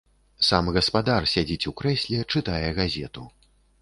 Сам гаспадар сядзіць у крэсле, чытае газету.